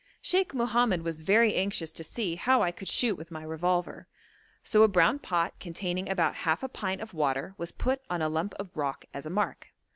Sheikh Mohammed was very anxious to see how I could shoot with my revolver, so a brown pot containing about half a pint of water was put on a lump of rock as a mark.